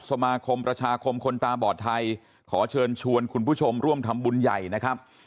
สมาคมประชาคมคนตาบอดไทยขอเชิญชวนคุณผู้ชมร่วมทำบุญใหญ่นะครับ